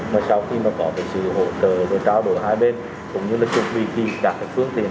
mà sau khi mà có sự hỗ trợ và trao đổi hai bên cũng như là chuẩn bị khi trả phương tiền